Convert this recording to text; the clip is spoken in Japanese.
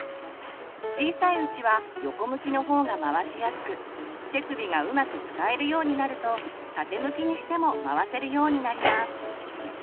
小さいうちは横向きの方が回しやすく手首がうまく使えるようになると縦向きにしても回せるようになります。